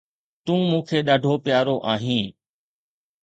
تون مون کي ڏاڍو پيارو آهين